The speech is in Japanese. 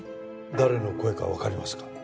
誰の声かわかりますか？